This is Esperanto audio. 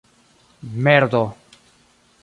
merdo